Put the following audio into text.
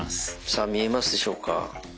さあ見えますでしょうか？